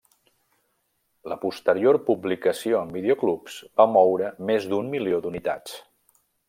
La posterior publicació en videoclubs va moure més d'un milió d'unitats.